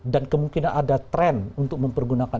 dan kemungkinan ada tren untuk mempergunakan